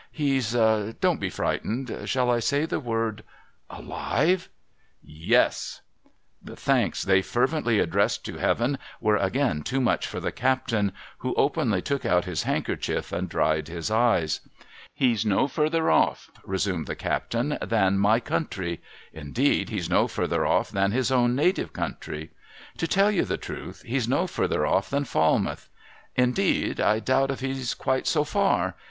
He's —' don't be frightened — shall I say the word '* Alive ?'' Yes !' The thanks they fervently addressed to Heaven were again too much for the captain, who openly took out his handkerchief and dried his eyes. ' He's no further off,' resumed the captain, ' than my country. Indeed, he's no further off than his own native country. To tell you the truth, he's no further off than Falmouth. Indeed, I doubt if he's quite so fur.